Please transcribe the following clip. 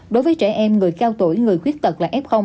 đối với trẻ em người cao tuổi người khuyết tật là f